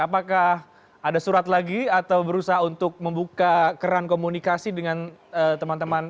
apakah ada surat lagi atau berusaha untuk membuka keran komunikasi dengan teman teman